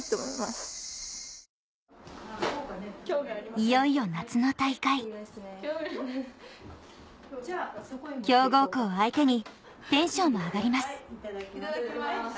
いよいよ夏の大会強豪校を相手にテンションも上がりますいただきます。